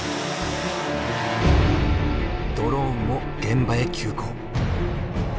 ドローンも現場へ急行。